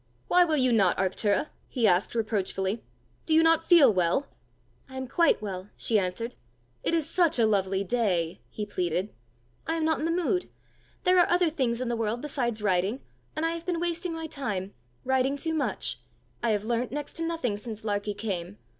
"Why will you not, Arctura?" he asked reproachfully: "do you not feel well?" "I am quite well," she answered. "It is such a lovely day!" he pleaded. "I am not in the mood. There are other things in the world besides riding, and I have been wasting my time riding too much. I have learnt next to nothing since Larkie came."